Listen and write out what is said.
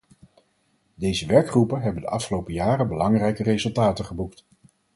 Deze werkgroepen hebben de afgelopen jaren belangrijke resultaten geboekt.